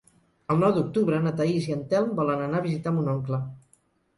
El nou d'octubre na Thaís i en Telm volen anar a visitar mon oncle.